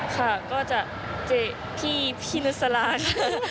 ค่ะก็จะเจอพี่นุสลาค่ะ